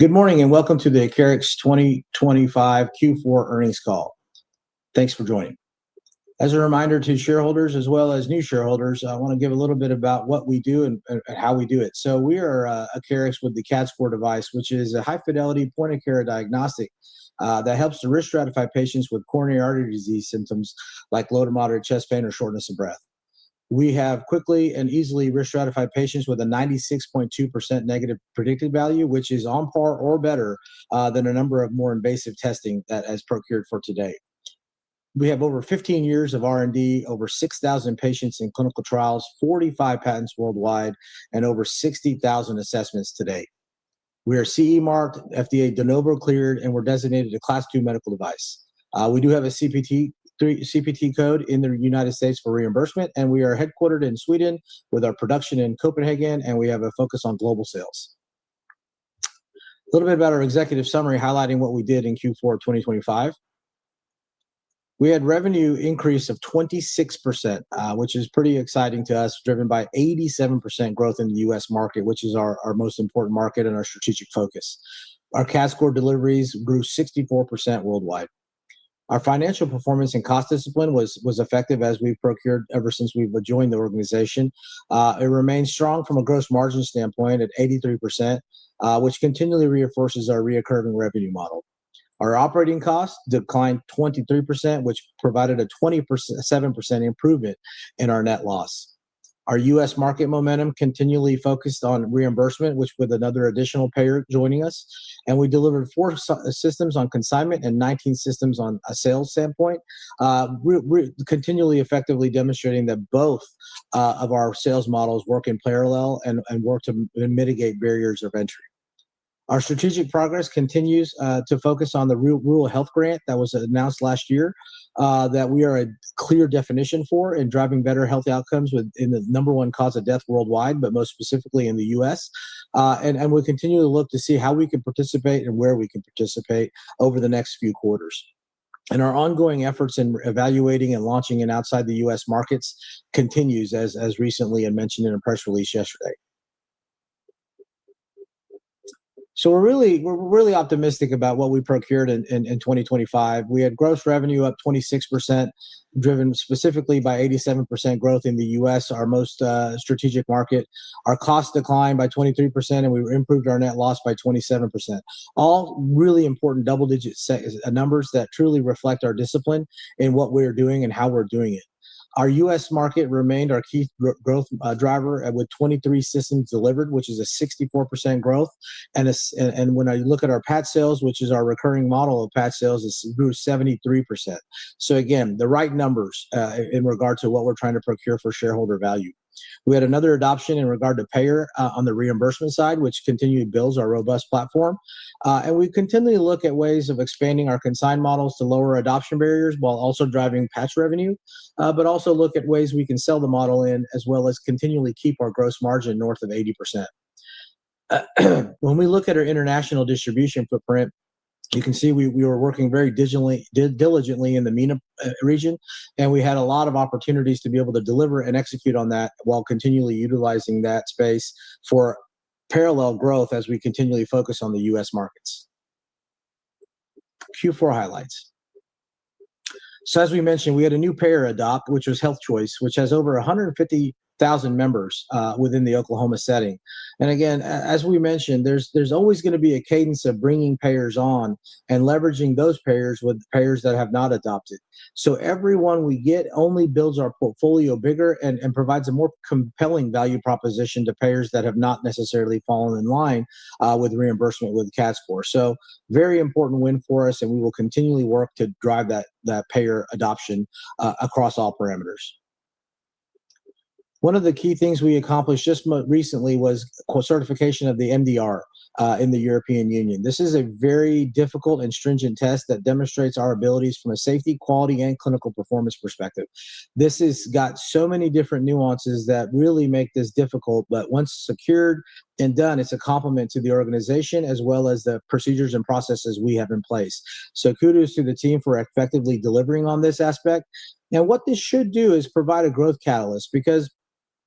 Good morning, and welcome to the Acarix 2025 Q4 Earnings Call. Thanks for joining. As a reminder to shareholders as well as new shareholders, I wanna give a little bit about what we do and how we do it. We are Acarix with the CADScor device, which is a high-fidelity point-of-care diagnostic that helps to risk stratify patients with coronary artery disease symptoms, like low to moderate chest pain or shortness of breath. We have quickly and easily risk-stratified patients with a 96.2% negative predictive value, which is on par or better than a number of more invasive testing that has procured for today. We have over 15 years of R&D, over 6,000 patients in clinical trials, 45 patents worldwide, and over 60,000 assessments to date. We are CE marked, FDA De Novo cleared, and we're designated a Class II medical device. We do have a CPT code in the United States for reimbursement, and we are headquartered in Sweden with our production in Copenhagen, and we have a focus on global sales. A little bit about our executive summary, highlighting what we did in Q4 2025. We had revenue increase of 26%, which is pretty exciting to us, driven by 87% growth in the U.S. market, which is our most important market and our strategic focus. Our CADScor deliveries grew 64% worldwide. Our financial performance and cost discipline was effective as we've procured ever since we've joined the organization. It remains strong from a gross margin standpoint at 83%, which continually reinforces our recurring revenue model. Our operating costs declined 23%, which provided a 27% improvement in our net loss. Our US market momentum continually focused on reimbursement, which with another additional payer joining us, and we delivered 4 systems on consignment and 19 systems on a sales standpoint. We're continually effectively demonstrating that both of our sales models work in parallel and work to mitigate barriers of entry. Our strategic progress continues to focus on the Rural Health Grant that was announced last year, that we are a clear definition for in driving better health outcomes within the number one cause of death worldwide, but most specifically in the US. And we'll continue to look to see how we can participate and where we can participate over the next few quarters. Our ongoing efforts in evaluating and launching in outside the U.S. markets continues, as recently I mentioned in a press release yesterday. So we're really optimistic about what we procured in 2025. We had gross revenue up 26%, driven specifically by 87% growth in the U.S., our most strategic market. Our costs declined by 23%, and we improved our net loss by 27%. All really important double-digit numbers that truly reflect our discipline in what we're doing and how we're doing it. Our U.S. market remained our key growth driver with 23 systems delivered, which is a 64% growth. And when I look at our patch sales, which is our recurring model of patch sales, it's grew 73%. So again, the right numbers, in regard to what we're trying to procure for shareholder value. We had another adoption in regard to payer, on the reimbursement side, which continued to build our robust platform. And we continually look at ways of expanding our consigned models to lower adoption barriers while also driving patch revenue, but also look at ways we can sell the model in, as well as continually keep our gross margin north of 80%. When we look at our international distribution footprint, you can see we, we were working very diligently in the MENA, region, and we had a lot of opportunities to be able to deliver and execute on that while continually utilizing that space for parallel growth as we continually focus on the U.S. markets. Q4 highlights. So as we mentioned, we had a new payer adopt, which was HealthChoice, which has over 150,000 members within the Oklahoma setting. And again, as we mentioned, there's always gonna be a cadence of bringing payers on and leveraging those payers with payers that have not adopted. So everyone we get only builds our portfolio bigger and provides a more compelling value proposition to payers that have not necessarily fallen in line with reimbursement with CADScor. So very important win for us, and we will continually work to drive that payer adoption across all parameters. One of the key things we accomplished just more recently was certification of the MDR in the European Union. This is a very difficult and stringent test that demonstrates our abilities from a safety, quality, and clinical performance perspective. This has got so many different nuances that really make this difficult, but once secured and done, it's a compliment to the organization as well as the procedures and processes we have in place. So kudos to the team for effectively delivering on this aspect. Now, what this should do is provide a growth catalyst, because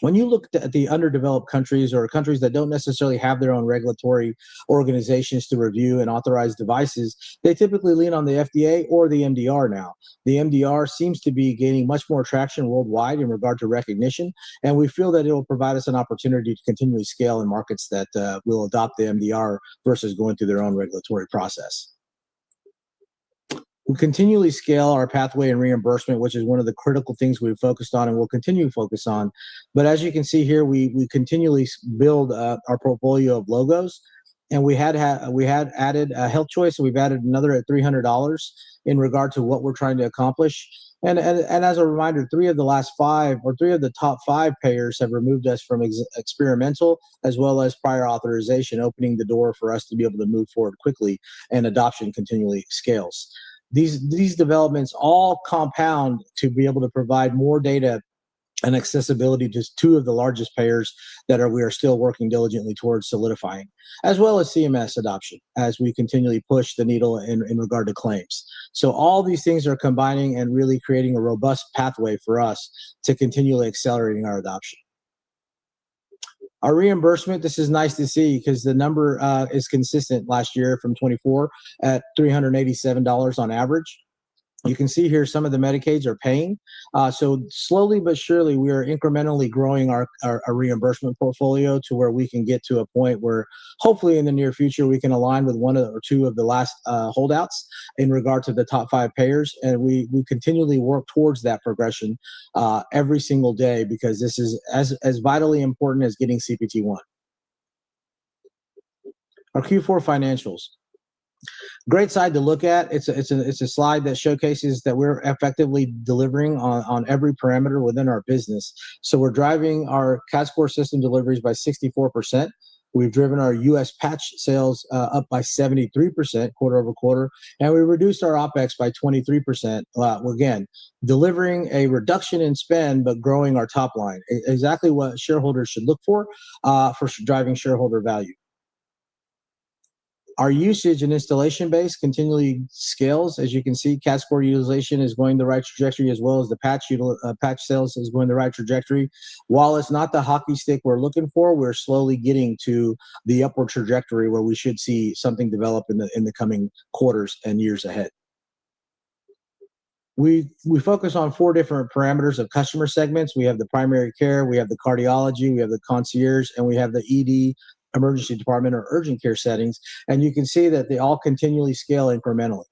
when you look at the underdeveloped countries or countries that don't necessarily have their own regulatory organizations to review and authorize devices, they typically lean on the FDA or the MDR now. The MDR seems to be gaining much more traction worldwide in regard to recognition, and we feel that it'll provide us an opportunity to continually scale in markets that will adopt the MDR versus going through their own regulatory process. We continually scale our pathway and reimbursement, which is one of the critical things we've focused on and will continue to focus on. But as you can see here, we continually build our portfolio of logos, and we had added HealthChoice, and we've added another at $300 in regard to what we're trying to accomplish. And as a reminder, three of the last five or three of the top five payers have removed us from experimental as well as prior authorization, opening the door for us to be able to move forward quickly, and adoption continually scales. These developments all compound to be able to provide more data and accessibility to two of the largest payers that we are still working diligently towards solidifying, as well as CMS adoption, as we continually push the needle in regard to claims. So all these things are combining and really creating a robust pathway for us to continually accelerating our adoption. Our reimbursement, this is nice to see because the number is consistent last year from 2024 at $387 on average. You can see here some of the Medicaids are paying. So slowly but surely, we are incrementally growing our reimbursement portfolio to where we can get to a point where hopefully in the near future, we can align with one or two of the last holdouts in regard to the top five payers. And we continually work towards that progression every single day because this is as vitally important as getting CPT-1. Our Q4 financials. Great slide to look at. It's a slide that showcases that we're effectively delivering on every parameter within our business. So we're driving our CADScor System deliveries by 64%. We've driven our US patch sales up by 73% quarter-over-quarter, and we reduced our OpEx by 23%. Again, delivering a reduction in spend, but growing our top line. Exactly what shareholders should look for for driving shareholder value. Our usage and installation base continually scales. As you can see, CADScor utilization is going the right trajectory, as well as the patch sales is going the right trajectory. While it's not the hockey stick we're looking for, we're slowly getting to the upward trajectory, where we should see something develop in the coming quarters and years ahead. We focus on 4 different parameters of customer segments. We have the primary care, we have the cardiology, we have the concierge, and we have the ED, emergency department or urgent care settings, and you can see that they all continually scale incrementally.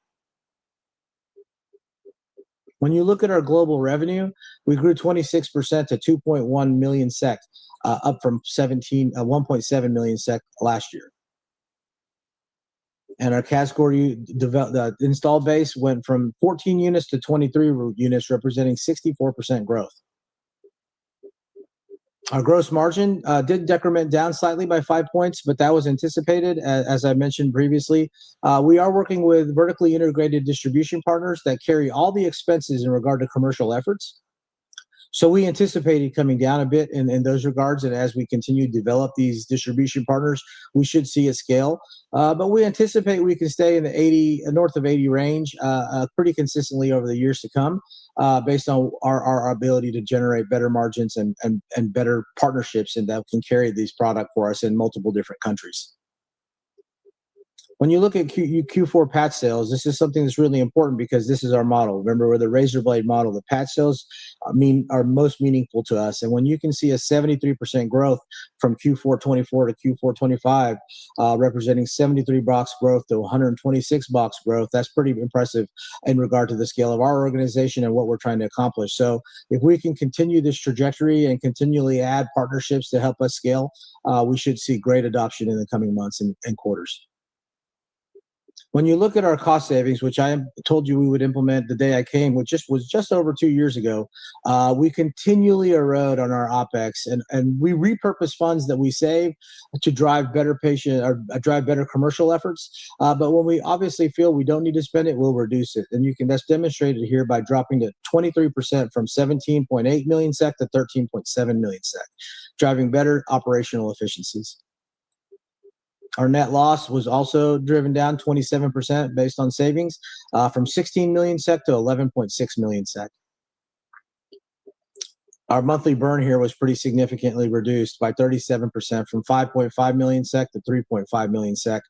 When you look at our global revenue, we grew 26% to 2.1 million SEK, up from 1.7 million SEK last year. Our CADScor install base went from 14 units to 23 units, representing 64% growth. Our gross margin did decrement down slightly by 5 points, but that was anticipated. As I mentioned previously, we are working with vertically integrated distribution partners that carry all the expenses in regard to commercial efforts. So we anticipated coming down a bit in those regards, and as we continue to develop these distribution partners, we should see a scale. But we anticipate we can stay in the 80-north of 80 range pretty consistently over the years to come, based on our ability to generate better margins and better partnerships and that can carry these product for us in multiple different countries. When you look at Q4 patch sales, this is something that's really important because this is our model. Remember, we're the razor blade model. The patch sales are most meaningful to us, and when you can see a 73% growth from Q4 2024 to Q4 2025, representing 73 box growth to 126 box growth, that's pretty impressive in regard to the scale of our organization and what we're trying to accomplish. So if we can continue this trajectory and continually add partnerships to help us scale, we should see great adoption in the coming months and quarters. When you look at our cost savings, which I told you we would implement the day I came, which was just over two years ago, we continually erode on our OpEx and we repurpose funds that we save to drive better patient or drive better commercial efforts. But when we obviously feel we don't need to spend it, we'll reduce it. You can best demonstrate it here by dropping to 23% from 17.8 million SEK to 13.7 million SEK, driving better operational efficiencies. Our net loss was also driven down 27% based on savings from 16 million SEK to 11.6 million SEK. Our monthly burn here was pretty significantly reduced by 37%, from 5.5 million SEK to 3.5 million SEK.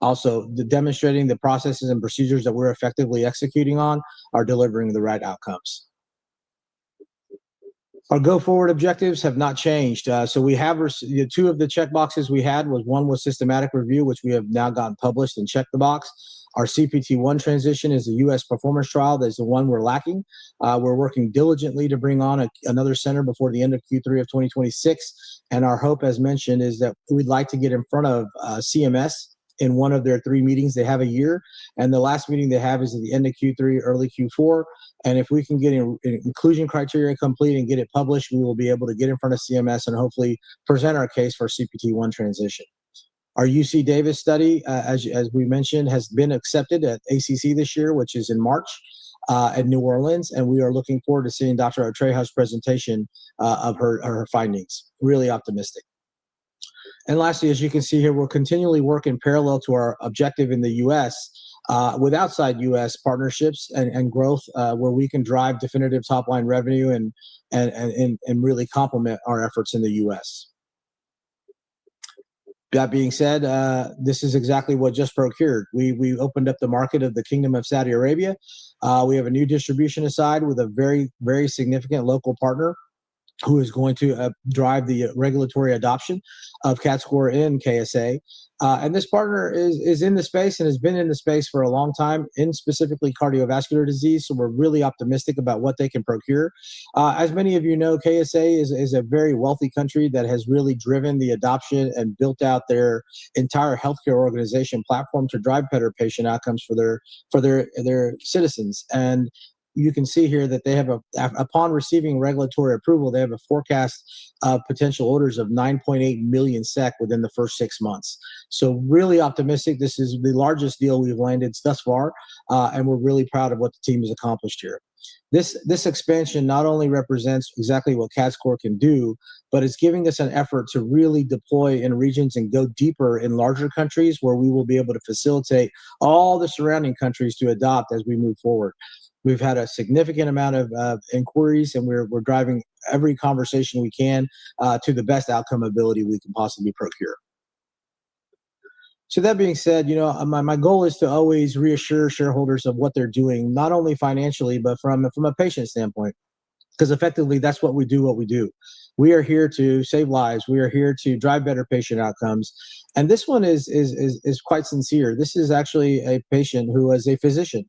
Also, the demonstrating the processes and procedures that we're effectively executing on are delivering the right outcomes. Our go-forward objectives have not changed. So we have two of the checkboxes we had was, one was systematic review, which we have now gotten published and checked the box. Our CPT-1 transition is a U.S. performance trial. That's the one we're lacking. We're working diligently to bring on another center before the end of Q3 of 2026, and our hope, as mentioned, is that we'd like to get in front of CMS in one of their three meetings they have a year. The last meeting they have is at the end of Q3, early Q4. If we can get an inclusion criteria complete and get it published, we will be able to get in front of CMS and hopefully present our case for CPT-1 transition. Our UC Davis study, as we mentioned, has been accepted at ACC this year, which is in March at New Orleans, and we are looking forward to seeing Dr. Atreja's presentation of her findings. Really optimistic. Lastly, as you can see here, we're continually working parallel to our objective in the U.S., with outside U.S. partnerships and really complement our efforts in the U.S. That being said, this is exactly what just procured. We opened up the market of the Kingdom of Saudi Arabia. We have a new istributor signed with a very, very significant local partner who is going to drive the regulatory adoption of CADScor in KSA. And this partner is in the space and has been in the space for a long time, in specifically cardiovascular disease, so we're really optimistic about what they can procure. As many of you know, KSA is a very wealthy country that has really driven the adoption and built out their entire healthcare organization platform to drive better patient outcomes for their citizens. And you can see here that upon receiving regulatory approval, they have a forecast of potential orders of 9.8 million SEK within the first six months. So really optimistic. This is the largest deal we've landed thus far, and we're really proud of what the team has accomplished here. This expansion not only represents exactly what CADScor can do, but it's giving us an effort to really deploy in regions and go deeper in larger countries, where we will be able to facilitate all the surrounding countries to adopt as we move forward. We've had a significant amount of inquiries, and we're driving every conversation we can to the best outcome ability we can possibly procure. So that being said, you know, my goal is to always reassure shareholders of what they're doing, not only financially, but from a patient standpoint, because effectively, that's what we do what we do. We are here to save lives. We are here to drive better patient outcomes. And this one is quite sincere. This is actually a patient who is a physician.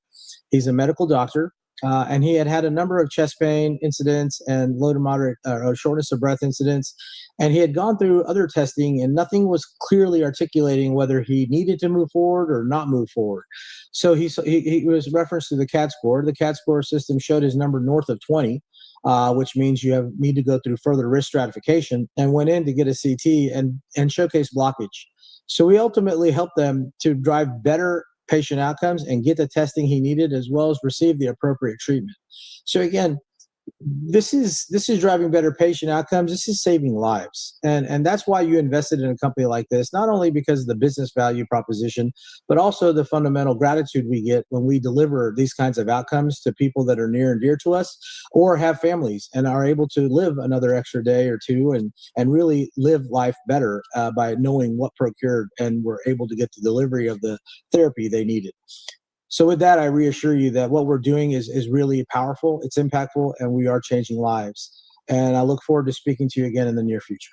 He's a medical doctor, and he had had a number of chest pain incidents and low to moderate or shortness of breath incidents. And he had gone through other testing, and nothing was clearly articulating whether he needed to move forward or not move forward. So he's he was referred to the CADScor System. The CADScor System showed his number north of 20, which means you need to go through further risk stratification, and went in to get a CT and showed a blockage. So we ultimately helped them to drive better patient outcomes and get the testing he needed, as well as receive the appropriate treatment. So again, this is driving better patient outcomes. This is saving lives. That's why you invested in a company like this, not only because of the business value proposition, but also the fundamental gratitude we get when we deliver these kinds of outcomes to people that are near and dear to us, or have families and are able to live another extra day or two and really live life better by knowing what's required and were able to get the delivery of the therapy they needed. With that, I reassure you that what we're doing is really powerful, it's impactful, and we are changing lives. I look forward to speaking to you again in the near future.